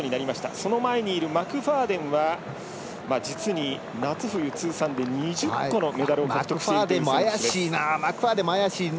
その前にいるマクファーデンは実に夏冬通算で２０個のメダルをマクファーデンも怪しいな。